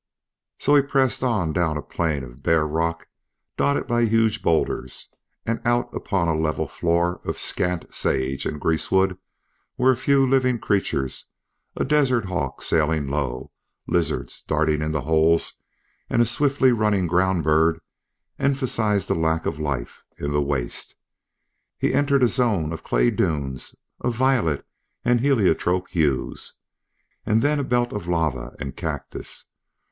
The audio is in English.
So he pressed on down a plain of bare rock dotted by huge bowlders; and out upon a level floor of scant sage and greasewood where a few living creatures, a desert hawk sailing low, lizards darting into holes, and a swiftly running ground bird, emphasized the lack of life in the waste. He entered a zone of clay dunes of violet and heliotrope hues; and then a belt of lava and cactus.